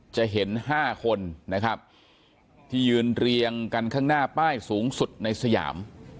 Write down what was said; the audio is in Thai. จะเห็น๕คนนะครับที่ยืนเรียงกันข้างหน้าป้ายสูงสุดในสยาม